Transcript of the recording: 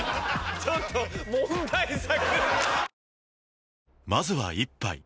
ちょっと問題作。